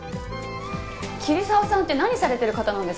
桐沢さんって何されてる方なんですか？